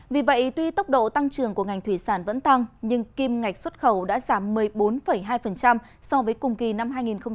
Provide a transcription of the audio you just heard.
vì vậy tuy tốc độ tăng trưởng của ngành thủy sản vẫn tăng nhưng kim ngạch xuất khẩu đã giảm một mươi bốn hai so với cùng kỳ năm hai nghìn một mươi tám